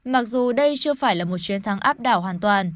mặc dù đây chưa phải là một chiến thắng áp đảo hoàn toàn